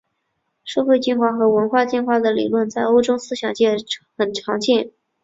社会进化和文化进化的理论在欧洲思想界很常见。